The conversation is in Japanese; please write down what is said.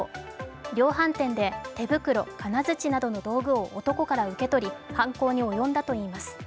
量販店で手袋・金づちなどの道具を男から受け取り、犯行に及んだといいます。